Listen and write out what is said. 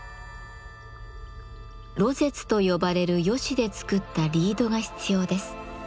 廬舌と呼ばれるヨシで作ったリードが必要です。